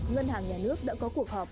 ngân hàng nhà nước đã có cuộc họp